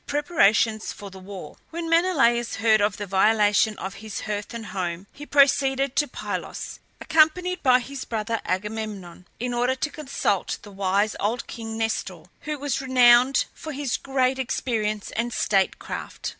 PREPARATIONS FOR THE WAR. When Menelaus heard of the violation of his hearth and home he proceeded to Pylos, accompanied by his brother Agamemnon, in order to consult the wise old king Nestor, who was renowned for his great experience and state craft.